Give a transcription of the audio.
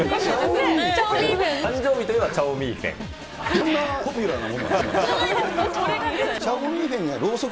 誕生日といえばチャオミーフ